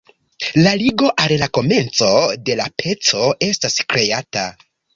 La ligo al la komenco de la peco estas kreata.